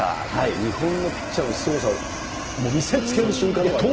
日本のピッチャーのすごさを見せつける瞬間でもありました。